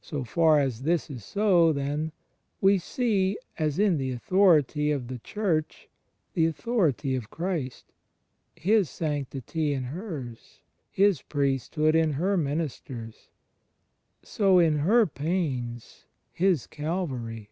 So fax as this is so, then, we see, as in the authority of the Church the authority of Christ, His sanctity in hers. His priesthood in her ministers, so in her pains His Calvary.